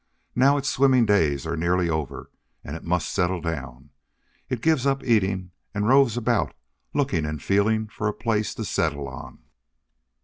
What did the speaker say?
Now its swimming days are nearly over, and it must settle down. It gives up eating, and roves about looking and feeling for a place to settle on.